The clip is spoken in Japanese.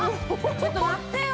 ちょっと待ってよ。